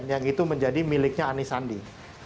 yang itu menjadi miliknya anies sandi